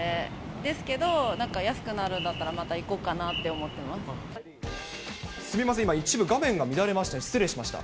ですけど、なんか安くなるんだったら、すみません、今、一部画面が乱れまして、失礼しました。